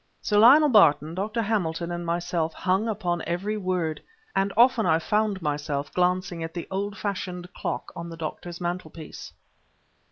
Sir Lionel Barton, Dr. Hamilton, and myself hung upon every word; and often I fond myself glancing at the old fashioned clock on the doctor's mantel piece.